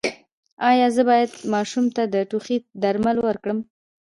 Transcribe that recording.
ایا زه باید ماشوم ته د ټوخي درمل ورکړم؟